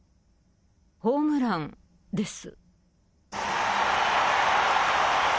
ホームランです。